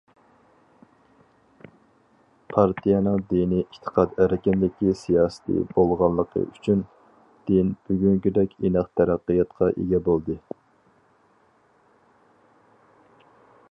پارتىيەنىڭ دىنىي ئېتىقاد ئەركىنلىكى سىياسىتى بولغانلىقى ئۈچۈن، دىن بۈگۈنكىدەك ئىناق تەرەققىياتقا ئىگە بولدى.